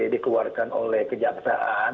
dikuarkan oleh kejaksaan